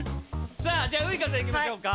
さあじゃあウイカさんいきましょうか。